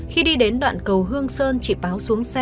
khi đi đến đoạn cầu hương sơn chị báo xuống xe